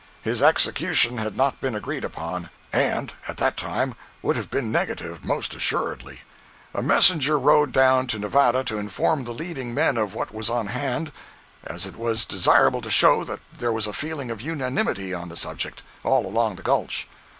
His execution had not been agreed upon, and, at that time, would have been negatived, most assuredly. A messenger rode down to Nevada to inform the leading men of what was on hand, as it was desirable to show that there was a feeling of unanimity on the subject, all along the gulch.